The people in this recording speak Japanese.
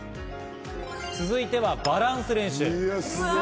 続いてバランス練習。